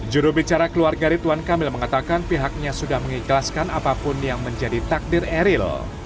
jurubicara keluarga ridwan kamil mengatakan pihaknya sudah mengikhlaskan apapun yang menjadi takdir eril